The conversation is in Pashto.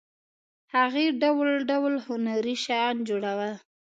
هغې ډول ډول هنري شیان جوړول.